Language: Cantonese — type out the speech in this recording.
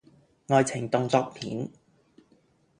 愛情動作片